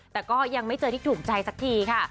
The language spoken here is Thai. แต่ก็ยังไม่เจอที่ถูกใจสักทีค่ะ